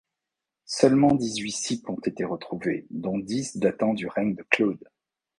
Seulement dix-huit cippes ont été retrouvés, dont dix datant du règne de Claude.